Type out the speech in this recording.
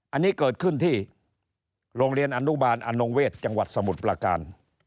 อันนี้เกิดขึ้นที่โรงเรียนอนุบาลอนงเวศจังหวัดสมุทรประการ